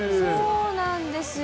そうなんですよ。